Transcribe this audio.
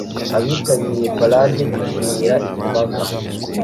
Abitabiriye parade bishimira imbaga